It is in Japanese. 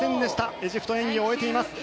エジプトが演技を終えています。